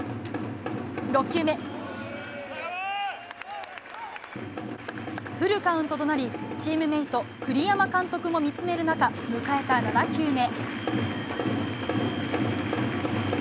６球目、フルカウントとなりチームメート、栗山監督も見つめる中、迎えた７球目。